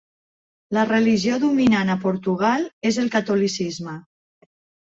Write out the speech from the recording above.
La religió dominant a Portugal és el catolicisme.